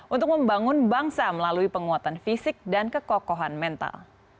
untuk membangun bangsa melalui penguatan fisik dan kekokohan mental